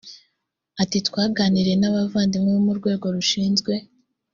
ati twaganiriye n abavandimwe bo mu rwego rushinzwe